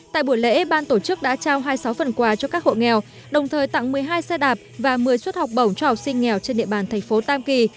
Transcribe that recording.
tại buổi lễ ban tổ chức đã trao hai mươi sáu phần quà cho các hộ nghèo đồng thời tặng một mươi hai xe đạp và một mươi suất học bổng cho học sinh nghèo trên địa bàn thành phố tam kỳ